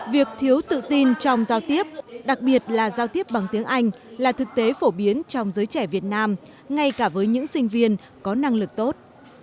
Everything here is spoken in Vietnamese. việc thiếu tự tin trong giao tiếp đặc biệt là giao tiếp bằng tiếng anh là thực tế phổ biến trong giới trẻ việt nam ngay cả với những sinh viên có năng lực tốt